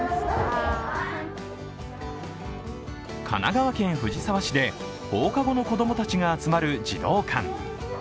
神奈川県藤沢市で放課後の子供たちが集まる児童館。